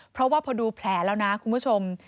เพราะว่าพอดูแผลแล้วนะคุณผู้ชม